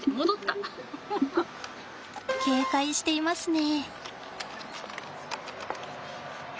警戒していますね。